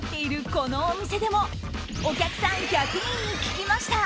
このお店でもお客さん１００人に聞きました。